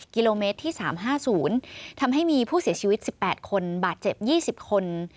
กิโลเมตรที่๓๕๐ทำให้มีผู้เสียชีวิต๑๘คนบาดเจ็บ๒๐คน